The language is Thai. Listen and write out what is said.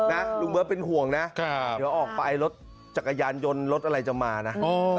ลุงเบิร์ตเป็นห่วงนะเดี๋ยวออกไปรถจักรยานยนต์รถอะไรจะมานะ